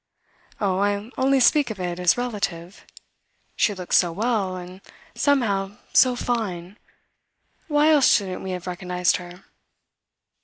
"Oh, I only speak of it as relative. She looks so well and somehow so 'fine.' Why else shouldn't we have recognised her?"